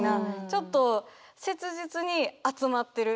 ちょっと切実に集まってる。